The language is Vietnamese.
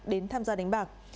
đến tham gia đánh bạc